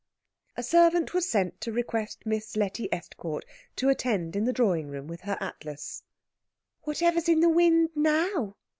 A servant was sent to request Miss Letty Estcourt to attend in the drawing room with her atlas. "Whatever's in the wind now?"